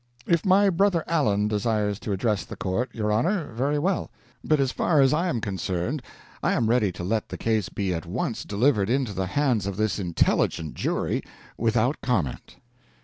If my brother Allen desires to address the court, your honor, very well; but as far as I am concerned I am ready to let the case be at once delivered into the hands of this intelligent jury without comment."